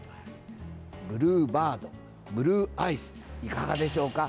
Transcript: ブルーバード、ブルーアイスいかがでしょうか。